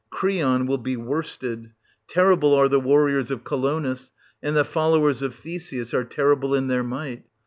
Creon will be worsted ! Terrible are the warriors of Colonus, and the followers of Theseus are terrible in their might.